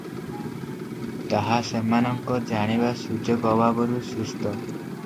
ତାହା ସେମାନଙ୍କ ଜାଣିବା ସୁଯୋଗ ଅଭାବରୁ ସୃଷ୍ଟ ।